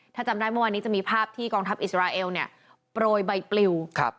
ถ้าจำได้เมื่อวานนี้จะมีภาพที่กองทัพอิสราเอลเนี่ยโปรยใบปลิว